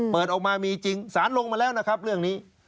เปิดออกมามีจริงสารลงมาแล้วนะครับเรื่องนี้